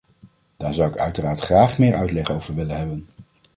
Daar zou ik uiteraard graag meer uitleg over willen hebben.